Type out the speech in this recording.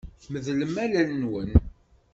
Medlem allen-nwen.